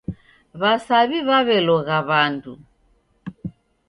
W'asaw'i w'aw'elogha w'andu.